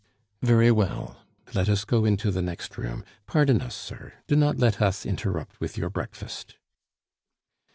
"Very well, let us go into the next room. Pardon us, sir; do not let us interrupt with your breakfast."